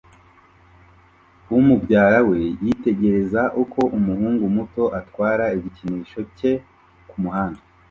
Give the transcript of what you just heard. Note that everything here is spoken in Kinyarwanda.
Umubyara we yitegereza uko umuhungu muto atwara igikinisho cye kumuhanda